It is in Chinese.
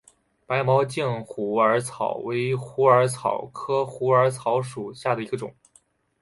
白毛茎虎耳草为虎耳草科虎耳草属下的一个种。